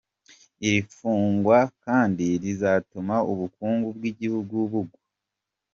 Iri fungwa kandi rizatuma ubukungu bw’igihugu bugwa.